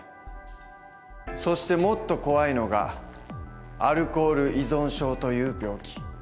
そしてもっと怖いのがアルコール依存症という病気。